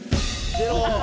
ゼロ。